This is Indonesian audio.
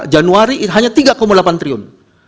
januari hanya tiga delapan triliun